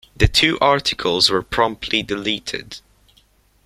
The two articles were promptly deleted.